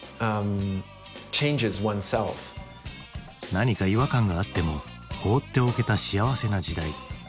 何か違和感があっても放っておけた幸せな時代。